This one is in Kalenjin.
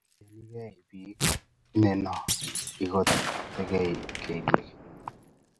mayanikei piik ineno ikotekei kelyek